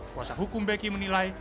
kuasa hukum beki menilai